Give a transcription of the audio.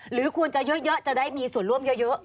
หรือควรจะเยอะจะได้มีส่วนร่วมเยอะ